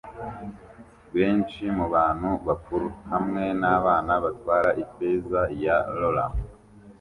Benshi mubantu bakuru hamwe nabana batwara ifeza ya roller